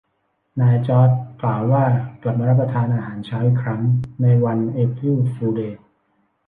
นายจอร์จกล่าวว่ากลับมารับประทานอาหารเช้าอีกครั้งในวันเอพริลฟูลเดย์